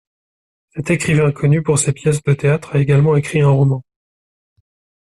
Cet écrivain, connu pour ses pièces de théâtre, a également écrit un roman.